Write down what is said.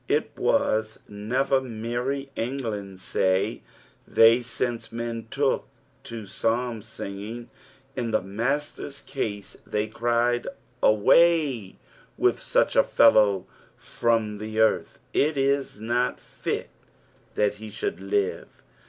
It was never merry England, say they, since men took to Psalm sioging. In the Master's case, they cried, " Away with such a fellow frcm the earth, it is not fit that he should live."